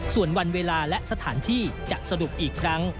ส่วนวันเวลาและสถานที่จะสรุปอีกครั้ง